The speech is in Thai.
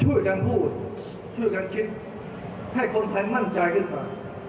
ช่วยกันพูดช่วยกันคิดให้คนไทยมั่นใจขึ้นมา